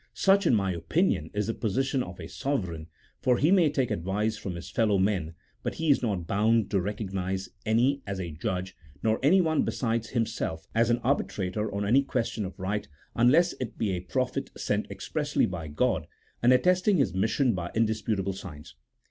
Such, in my opinion, is the position of a sovereign, for he may take advice from his fellow men, but he is not bound to recognize any as a judge, nor anyone besides himself as an arbitrator on any question of right, unless it be a prophet sent expressly by God. and attesting his mission by indis putable signs.